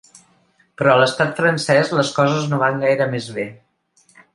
Però a l’estat francès les coses no van gaire més bé.